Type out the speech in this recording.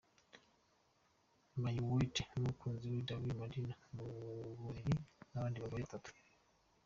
Mayweather n'umukunzi we Doralie Medina mu buriri n'abandi bagore batatu!.